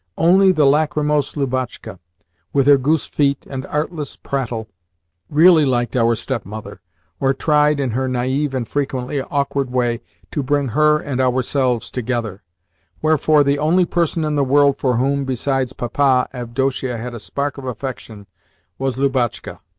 Only the lachrymose Lubotshka, with her goose feet and artless prattle, really liked our stepmother, or tried, in her naive and frequently awkward way, to bring her and ourselves together: wherefore the only person in the world for whom, besides Papa, Avdotia had a spark of affection was Lubotshka.